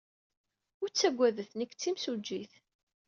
Ur ttaggadet. Nekk d timsujjit.